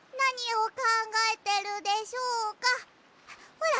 ほら！